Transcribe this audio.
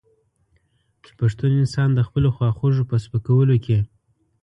چې پښتون انسان د خپلو خواخوږو په سپکولو کې.